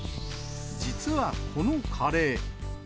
実はこのカレー。